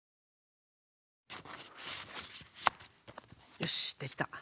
よしできた。